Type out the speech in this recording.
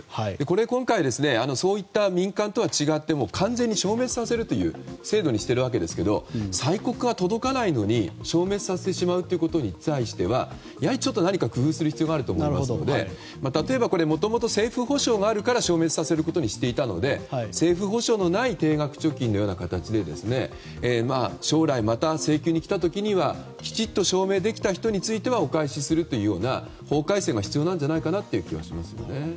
今回、そういった民間とは違って完全に消滅させるという制度にしているわけですけれども催告が届かないのに消滅させてしまうことに対してはやはり、ちょっと何か工夫する必要があると思いますので例えば、もともと政府保証があるから消滅させることにしていたので政府保証のない定額貯金のような形で将来、また請求に来た時にはきちんと証明できた人についてはお返しするというような法改正が必要なんじゃないかなという気がしますね。